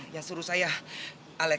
yang suruh saya alek